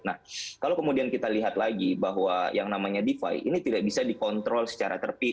nah kalau kemudian kita lihat lagi bahwa yang namanya defi ini tidak bisa dikontrol secara terpikir